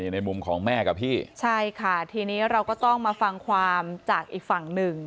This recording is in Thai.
ในมุมของแม่กับพี่ใช่ค่ะทีนี้เราก็ต้องมาฟังความจากอีกฝั่งหนึ่ง